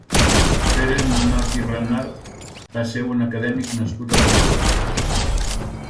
Pere Nanot i Renart va ser un acadèmic nascut a Barcelona.